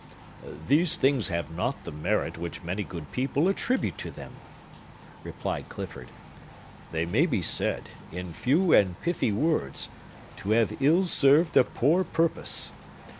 "These things have not the merit which many good people attribute to them," replied Clifford. "They may be said, in few and pithy words, to have ill served a poor purpose.